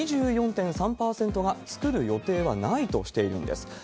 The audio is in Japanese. ２４．３％が作る予定はないとしているんです。